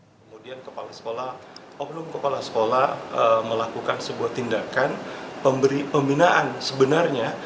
kemudian kepala sekolah melakukan sebuah tindakan pembinaan sebenarnya